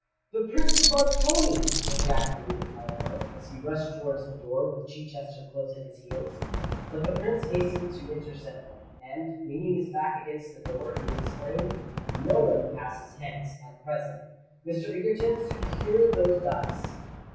"The Prince of Montoni!" ejaculated Harborough, as he rushed towards the door, with Chichester close at his heels. But the Prince hastened to intercept them; and, leaning his back against the door, he exclaimed, "No one passes hence, at present. Mr. Egerton, secure those dice."